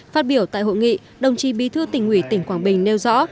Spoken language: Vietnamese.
phát biểu tại hội nghị đồng chí bí thư tỉnh ủy tỉnh quảng bình nêu rõ